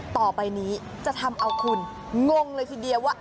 ต่อไปนี้จะทำเอาคุณงงเลยทีเดียวว่า